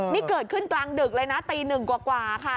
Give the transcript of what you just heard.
นี่เกิดขึ้นกลางดึกเลยนะตีหนึ่งกว่าค่ะ